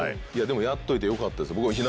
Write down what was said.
でもやっといてよかったです